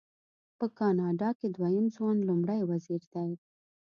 په کاناډا کې دویم ځوان لومړی وزیر دی.